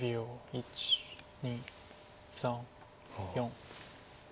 １２３４。